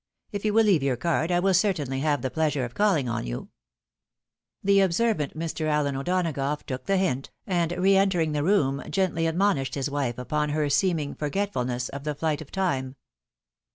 If you will leave your card, I will certainly have the pleasure of calling on you." The observant Mr. Allen O'Dona gough took the hint, and re entering the room gently admon ished his wife upon her seeming forgetfulness of the flight of time.